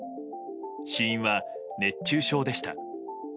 死因は熱中症でした。